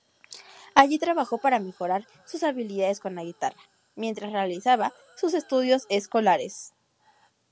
Allí trabajó para mejorar sus habilidades con la guitarra mientras realizaba sus estudios escolares.